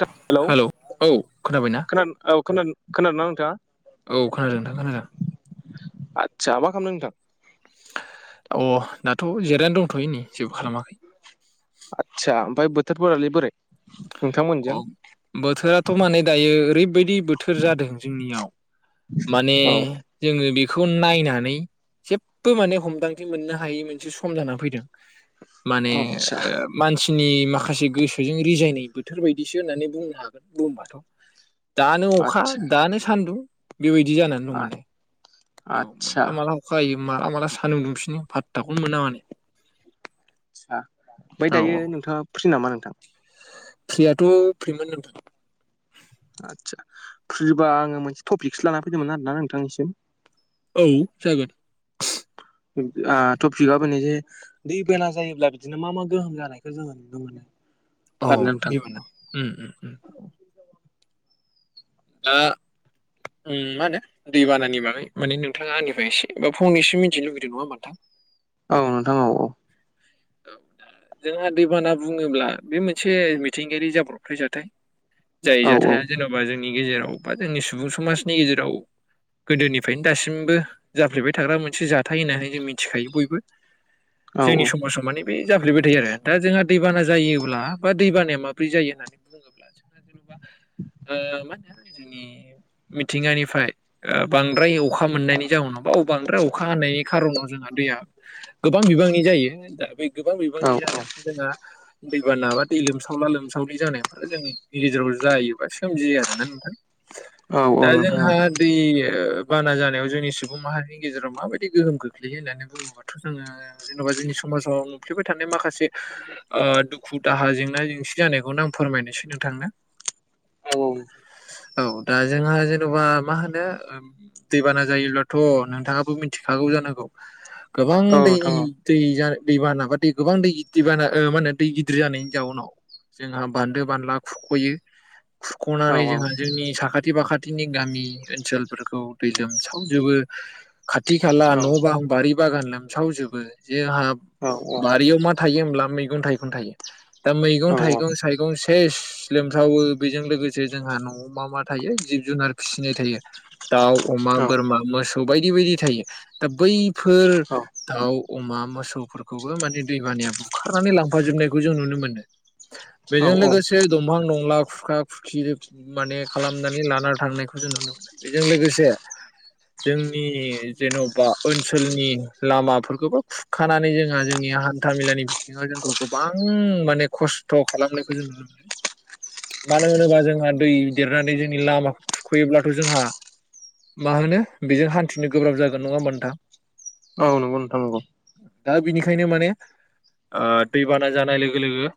थ हेल' हेलौ औ खोनाबायना खोन औ ख खोनादों ना नोंथाङा? औ खोनादों नोंथां खोनादों। आतसा मा खालामदों नोंथां? अ दाथ' जिरायना दंथ'यो नै जेबो खालामाखै। आतसा ओमफाय बोथोर फोरालाय बोरै? नोंथांमोनजों अ बोथोराथ' माने दायो ओरैबायदि बोथोर जादों जोंनियाव माने औ जोङो बेखौ नायनानै जेबबो माने हमदांथि मोननो हायै मोनसे सम जानानै फैदों। माने आदसा मानसिनि माखासे गोसोजों रिजायनाय बोथोर बायदिसो होननानै बुंनो हागोन बुंबाथ' दानो अखा आदसा दानो सान्दुं बेबायदि जानानै दंमाने औ आदसा आदसा माला माला अखा हायो माला माला सानदुंफिनो फादथाखौनो मोना माथो। आसा ओमफ्राय औ दायो औ नोंथाङा फ्रिनामा नोंथां? फ्रियाथ' फ्रिमोन नोंथां। आदसा फ्रिबा आंङो मोनसे टपिकसो लाना फैदोंमोन आरोना नोंथांनिसिम। औ जागोन। आ टपिकआ बेनो जे दै बेला जायोब्ला बिदिनो मा मा गोहोम जानायखौ जोंङो नुनो मोनो। आरो औ नोंथां [unintelligible] ओम ओम ओम ओ ओम माहोनो दैबानानि बागै माने नोंथाङा आंनिफ्राय एसे बाफनैसो मिथिनो लुबैदों नङा होमबा नोंथां औ नोंथां औ औ [inaudible] जोंहा दैबाना बुङोब्ला बे मोनसे मिथिंगायारि जाब्रबथाय जाथाय जाय औ जाथाया जेन'बा जोंनि गेजेराव बा जोंनि सुबुं समाजनि गेजेराव गोदोनिफ्रायनो दासिमबो जाफ्लेबाय थाग्रा मोनसे जाथाय होननानै जों मिथिखायो बयबो औ जोंनि समाजाव माने बे जाफ्लेबाय थायो आरो दा जोंहा दैबाना जायोब्ला बा दैबानाया माबोरै जायो होननानै बुङो ओ माहोनो जोंनि मिथिंगानिफ्राय ओ बांद्राय अखा मोननायनि जाउनाव बा बांद्राय अखा हानायनि खार'नाव जोंहा दैया गोबां बिबांनि जायो। दा बे गोबां औ बिबांनि जानायावथ जोंहा दैबा नाबा दै लोमसावला लोमसावलि जानायफोरा जोंनि गेजेराव जायोबा सोमजियो आरो ना नोंथां। औ औ दा नोंथां जोंहा औ दै बाना जानायाव जोंनि सुबुं माहारिनि गेजेराव माबायदि गोहोम खोख्लैयो होननानै बुङो? बुङबाथ' जोंङो जेनेबा जोंनि समाजाव नुफ्लेबाय थानाय माखासे ओ दुखु दाहा जेंना जेंसि जानायखौनो आं फोरमायनोसै नोंथांनो औ औ औ दा जोंहा जेन'बा मा होनो ओ दैबाना जायोब्लाथ' नोंथाङाबो मिथिखागौ जानांगौ गोबां औ दैनि नोंथां औ दै जानो दै बाना बा दै गोबां दै गिदिर बाना ओ मा होनो दै गिदिर जानायनि जाउनाव जोंहा बान्दो बानला खुख'यो खुरख'नानै जोंहा औ जोंनि साखाथि फाखाथिनि गामि ओनसोलफोरखौ दै लोमसावजोबो खाथि खाला न' औ बां बारि बागान लोमसावजोबो जोंहा औ औ बारियाव मा थायो हब्ला मैगं-थाइगं थायो। दा औ मैगं-थाइगं थाइगं सेस लोमसावो बेजों लोगोसे जोंहा न'आव मा मा थायो जिब जुनार फिसिनाय थायो। दाउ अमा बोरमा मोसौ बायदि बायदि थायो। दा बैफोर दाउ अमा मोसौफोरखौबो माने दैमानाया बुखारनानै लांफाजोबनायखौ जों नुनो मोनो। औ बेजों लोगोसे दंफां दंला खुरखा-खुरखि माने खालामनानै लाना थांनायखौ जों नुनो मोनो। बेजों लोगोसे जोंनि जेन'बा ओनसोलनि लामाफोरखौबोा खुरखानानै जोंहा जोंनि हान्था मेलानि बिथिङाव जोंखौ गोबां माने खस्थ' खालामनायखौ जों नुनो मोनो। मानो होनोबा जोंहा दै देरनानै जोंनि लामाखौ थुखैयोब्लाथ' जोंहा मा होनो बेजों हान्थिनो गोब्राब जागोन नङा होमबा नोंथां औ नंगौ नोंथाङ नंगौ। खायनो माने ओ दैबाना जानाय लोगो लोगो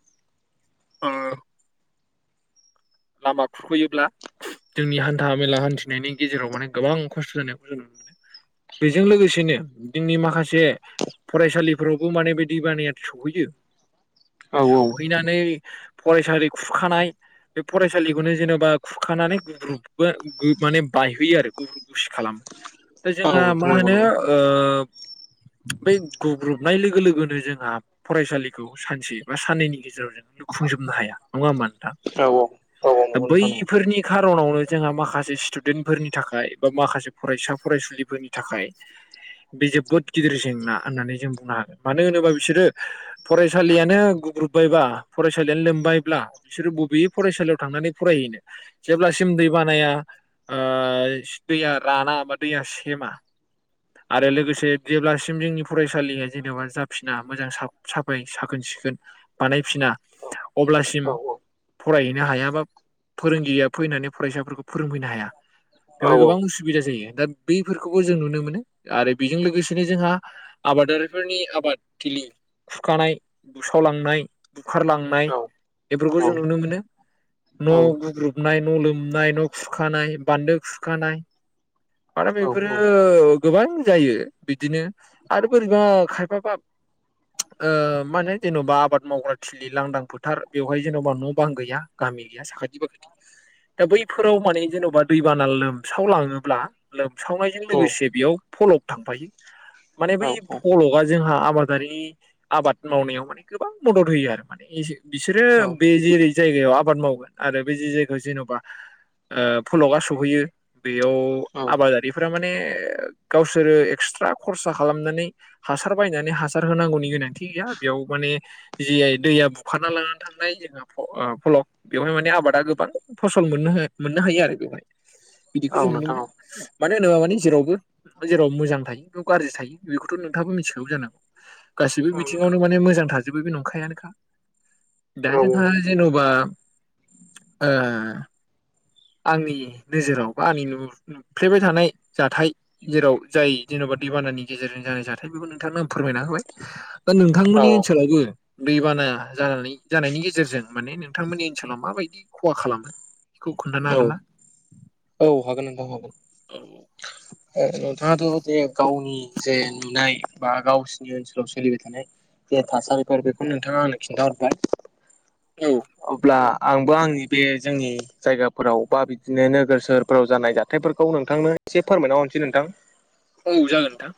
ओ [inaudible] लामा खुरख'योब्ला जोंनि हान्था मेला हान्थिनायनि गेजेराव माने गोबां खस्थ' जानायखौ जों नुनो मोनो। बेजों लोगोसेनो जोंनि माखासे फरायसालि फोरावबो माने बे दैबानाया सहैयो। औ औ फरायसालि खुरखानाय। बे फरायसालिखौनो जेन'बा खुरखानानै गुग्रुुबबो माने बायहोयो आरो। गुग्रुुब [unintelligible] खालाम दा औ जोंहा नोंथां मा नंगौ होनो नंगौ ओ बै गुग्रुब नाय लोगो लोगोनो जोंहा फरायसालिखौ सानसे बा साननैनि गेजेराव जों लुफुंजोबनो हाया नङा होमबा नोंथां। औ औ। दा नंगौ नोंथां नंगौ बैफोरनि खारनावनो जोंहा माखासे स्टुडेन्टफोरनि थाखाय बा माखासे फरायसा फरायसुलिफोरनि थाखाय बे जोबोद गिदिर जेंना होननानै जों बुंनो हागोन मानो होनोबा बिसोरो। फरायसालियानो गुग्रुबायबा, फरायसालियानो लोमबायब्ला बिसोरो बबे फरायसालियाव थांनानै फरायहैनो जेब्लासिम दै बानाया। ओ दैया राना बा दैया सेमा आरो लोगोसे जेब्लासिम जोंनि फरायसालिया जेनेबा जाफिना मोजां साब-साफाय साखोन-सिखोन। बानायफिना औ औ अब्लासिम फरायहैनो हाया बा फोरोंगिरिया फैनानै फरायसाफोरखौ फोरोंफैनो हाया। औ बेवहाय गोबां उसुबिदा जायो दा बैफोरखौबो जों नुनो मोनो आरो बेजों लोगोसेनो जोंहा आबादारिफोरनि आबादथिलि खुखानाय बुसावलांनाय बुखारलांनाय बेफोरखौ जों नुनो मोनो। न' गुग्रुबनाय, न' लोमनाय, न' खुरखानाय, बान्दो खुरखानाय, माने बेफोरो गोबां जायो। बिदिनो आरो बोरैबा खायफाबा ओ माने जेन'बा आबाद मावग्रा थि लि लांदां फोथार बेवहाय जेन'बा न' बां गैया गामि गैया साखाथि बाखाथि। दा बैफोराव माने जेन'बा दैबाना लोमसावलाङोब्ला लोमसावनायजों लोगोसे बेयाव फलक थांफायो। माने औ बै फलगा जोंहा आबादारि आबाद मावनायाव माने गोबां मदद होयो आरो माने। एसे बिसोरो बे जेरै जायगायाव आबाद मावगोन आरो बे जे जायगा जेन'बा। ओ फलगआ सहैयो। बेयाव औ आबादारिफोरा माने गावसोरो एक्सट्रा खरसा खालामनानै हासार बायनानै हासार होनांगौनि गोनांथि गैया बेयाव माने जि दैया बुखारना लानानै थांनाय जोंहा फ ओ फलक बेवहाय माने आबादा गोबां फसल मोननोहो मोननो हायो आरो बेबायदि बिदिखौ औ जों नुनो नोंथां औ मोनो नोंथां औ मानो होनोबा माने जेरावबो जेराव मोजां थायो बेयाव गाज्रि थायो बेखौथ' नो थाङा मिथिखागौ जानांगौ गाससिबो हागोन बिथिङावनो माने मोजां थाजोबो बे नंखायानोखा दा जोंहा जेन'बा ओ आंनि नोजोराव बा आंनि नु-नु-नुफ्लेबाय थानाय जाथाय जेराव जाय जेन'बा दैबानानि गेजेरजों जानाय जाथाय बेखौ नोंथांनो आं फोरमायना होबाय दा नोंथांमोननि ओनसोलावबो दैबाना जानानै जानायनि गेजेरजों माने नोंथांमोननि ओनसोलाव माबायदि खहा खालामो। बेखौ खोन्थानो हागोनना? औ हागोन नोंथां हागोन। औ। ओ नोंथाङाथ' जे गावनि जे नुनाय बा गावसिनि ओनसोलाव सोलिबाय थानाय जे थासारिफोर बेखौ नोंथाङा आंनो खिन्थाहरबाय। औ। अब्ला आंबो आंनि बे जोंनि जायगाफोराव बा बिदिनो नोगोर सोहोरफोराव जानाय जा थायफोरखौ नोंथांनो एसे फोरमायना हरनोसै नोंथां। औ जागोन नोंथां।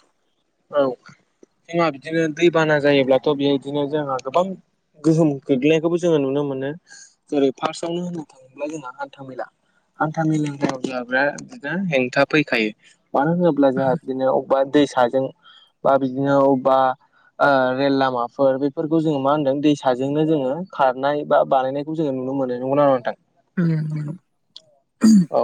औ जोंहा बिदिनो दैबाना जायोब्लाथ' बेदिनो जोंहा गोबां गोहोम गोग्लैनायखौबो जोङो नुनो मोनो जेरै फार्स्टआवनो होननो थाङोब्ला जोंहा हान्था मेला हान्था मेेलों मावब्ला बिराद बिदिनो हेंथा फैखायो मानो होनोब्ला जोंहा बिदिनो अबा दैसाजों बा बिदिनो अबा ओ रेल लामाफोर बेफोरखौ जोङो मा होनदों दैसाजोंनो जोङो खारनाय बा बानायनाय जो नुनो मोनो नंगौ नोंथां। उम औ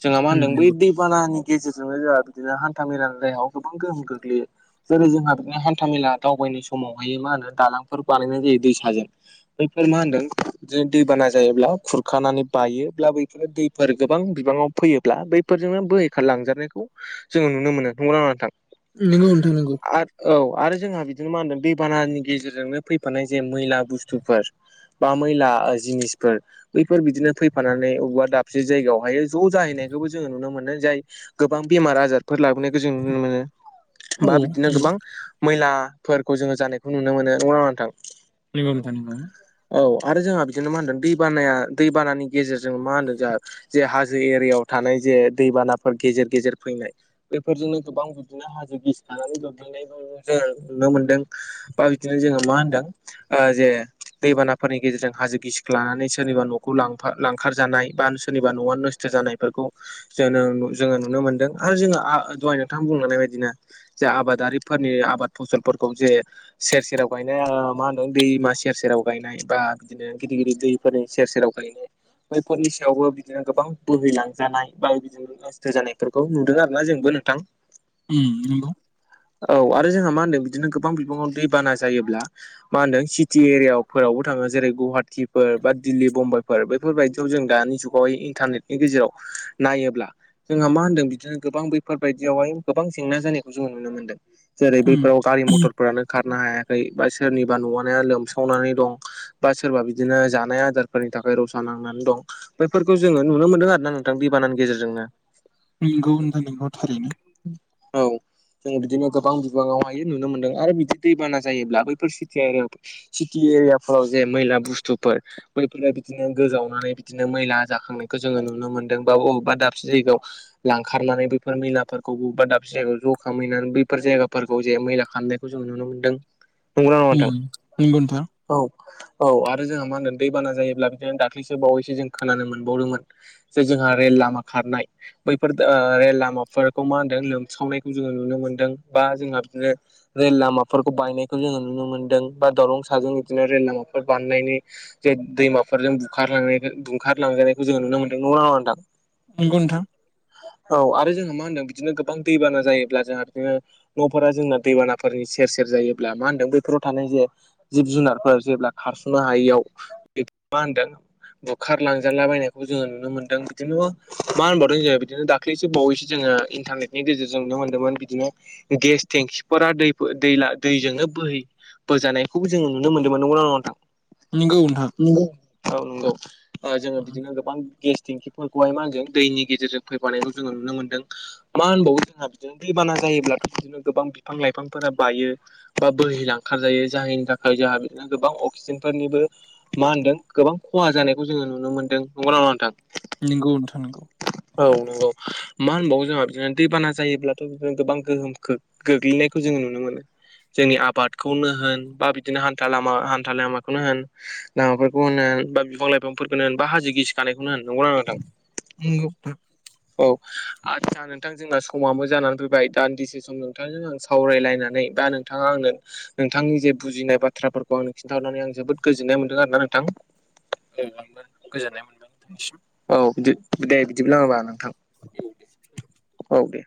जोंहा मा उम होनदों बै नंगौ दैबानानि गेजेरजों बिदिनो जोंहा बिदिनो हान्था मेलानि देहायाव गोबां गोहोम गोग्लैयो जेरै जोंहा बिनो हान्था मेला दावबायनाय समावहाय मा होनो दालांफोर बानायनाय जायो दैसाजों बैफोर मा होनदों बिदिनो दैबाना जायोब्ला खुरखानानै बायोब्ला बैफोरो दैफोर गोबां बिबाङाव फैयोब्ला बैफोरजोंनो बोहैखारलांजानायनायखौ जोङो नुनो मोनो नंगौ नङा नोंथां। नंगौ नोंथां नगौ। आरो औ आरो जोंहा बिदिनो मा होनदों दैबानानि गेजेरजोंनो फैफानाय जे मैला बुस्थुफोर बा मैला जिनिसफोर बैफोर बिदिनो फैफानानै अबेबा दाबसे जायगायावहाय ज' जाहैनायखौबो जोङो नुनो मोनो जाय गोबां बेमार आजारफोर लाबोनाय जों नुनो मोनो औ बा बिदिनो नंगौ गोबां मैलाफोरखौ जोङो जानायखौ नुनो मोनो नङा नोंथां। नोंगौ नोंथां नोंगौ औ आरो जोंहा बिदिनो मा होनदों दै बाना दैबानानि गेजेरजों मा होनदों जोंहा जे हाजो एरियायाव थानाय जे दैबानाफोर गेजेर गेजेर फैनाय बेफोरजोंनो गोबां बिदिनो हाजो गिसिखानानै गोग्लैफैनाय जोङो नुनो मोनदों बा बिदिनो जोङो मा होनदों ओ जे दैबानाफोरनि गेजेरजों हाजो गिसिख्लानानै सोरनिबा न'खौ ल लांखारजानाय बा सोरनिबा न'आनो जानायफोरखौ जो जोङो नुनो मोनदों आरो जोङो दहाय नोंथां बुंलांनाय बायदिनो जे आबादारिफोरनि आबाद फसलफोरखौ जे सेर सेराव गायनाय मा होनदों दैमा सेर सेराव गायनाय बा बिदिनो गिदिर गिदिर दैफोरनि सेर सेराव गायनाय बैफोरनि सायावबो बिदिनो गोबां बोहैलांजानाय बा बिदिनो गोजानायफोरखौ नुदों आरोना जोंबो नोंथां। उम हो औ आरो जोंहा मा होनदों बिदिनो गोबां बिबाङाव दैबाना जायोब्ला मा होनदों सिटि एरियाफोरावबो थाङो जेरै गुवाहाटिफोर बा दिल्ली बुम्बाइफोर बे बेफोरबायदियाव जों दानि जुगावहाय इन्टारनेटनि गेजेराव नायोब्ला जोंहा मा होन्दों बिदिनो गोबां बैफोरबायायदियावहाय गोबां जेंना जानायखौ जों नुनो मोनदों जेरै उम बैफोराव गारि मथरफोरानो खारनो हायाखै बा सोरनिबा न'वानो लोमसावनानै दं बा सोरबा बिदिनो जानाय आदारफोरनि थाखाय रसा नांनानै दं बेैफोरखौ जोङो नुनो मोनदों आरो ना नोंथां दैबानानि गेजेरजोंनो नंगौ नोंथां नंगौ थारैनो औ जों बिदिनो गोबां बिबाङावहाय नुनो मोनदों आरो बिदि दैबाना जायोब्ला बैफोर सथिया आरो सिटि एरियाफोराव ज मैला बुस्तुफोर बैफोर बिदिनो गोजावनानै बिदिनो मैला जाखांनायखौ जोङो नुनो मोनदों बा बबेबा दाबसे जायगायाव लांखारनानै बेफोर मैला फोरफोरखौ बा दाबसे जायगायाव ज' खैनानै बैफोर जायगाफोरखौ जे मैला खालामनायखौ जों नुनो मोन्दों। नंगौना नङा उम नंगौ नोंथां। औ औ आरो जोंहा मा होनदों दैबाना जायोब्ला बिदिनो दाख्लैसो बावैसो जों खोनानो मोनबावदोंमोन जे जोंहा रेल लामा खारनाय बैफोर ओ रेल लामाफोर खौ मा होनदों लोमसावनायखौ जोङो नुनो मोन्दों बा जोंहा बिदिनो रेल लामाफोरखौ बायनायखौ जोङो नुनो मोन्दों बा दलं साजों बिदिनो रेल लामाफोर बानायनायनि जे दैमाफोरजों बुखारलांनाय बुखारलांजानायखौ जोङो नुनो मोनदों नङा [unintelligible] नोंथां नंगौ नोंथां औ आरो जोंहा मा होनदों बिदिनो गोबां दैबाना जायोब्ला जोंहा [unintelligible] नो न'फोरा जोंना दैबानाफोरनि सेर सेर जायोब्ला मा होनदों बैफोराव थानाय जे जिब जुनारफोर जेब्ला खारस'नो हायियाव [unintelligible] मा होनदों बुखार लांजाला बायनायखौ जोङो नुनो मोनदों बिदिनो मा होनबावदों जोङो बिदिनो दाख्लैसो बावैसो जोङो इन्टारनेटनि गेजेरजों नुनो मोन्दोंमोन बिदिनो गेस टेंखिफोरा दै दैला दैजोंनो बोहै बोजानायखौबो जोंङो नुनो मोनदोंमोन नंगौना नङा नोंथां नोंगौ नोंथां नंगौ औ नंगौ ओ जोङो नंगौ बिदिनो गोबां गेस थेंखिफोरखौहाय मा होनगोन दैनि गेजेरजों फैबानायखौ जोङो नुनो मोनदों मा होनबावो जोंहा बिदिनो दैबाना जायोब्ला बि बिदिनो गोबां बिफां लाइफांफोरा बायो बा बोहिलांखार जायो जायनि थाखाय जोंहा बिदिनो गोबां अक्सिजेनफोरनिबो मा होनदों गोबां खहा जानायखौ जोङो नुनो मोन्दों नंगौना नङा नोंथां नंगौ नोंथां औ नोंगौ मा होनबावो जोंहा दैबाना जायोब्लाथ' बि गोबां गोहोम खो गोग्लैनायखौ जोङो नुनो मोनो जोंनि आबादखौनो होन बा बिदिनो हान्थालामा हान्था लामाखौनो होन लामाफोरखौ होन बा बिफां लाइफांफोरखौ होन बा हाजो गिसि खानायखौनो होन नंगौना नोंथां नंगौ नोंथां औ आदसा नोंथां जोंहा समावो जानानै फैबाय दान्दिसे सम नोंथांजों आं सावरायलायनानै बा नोंथाङा आंनो नोंथांनि जे बुजिनाय बाथ्राफोरखौ आं खिन्थाहरानानै आं जोबोद गोजोननाय मोन्दों आरो ना नोंथां औ आङो गोजोननाय [unintelligible] औ बिदि दे बिदिब्ला नोंथां औ दे औ दे